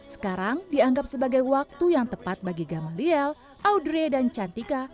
sekarang dianggap sebagai waktu yang tepat bagi gamaliel audre dan cantika